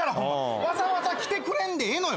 わざわざ来てくれんでええのよ。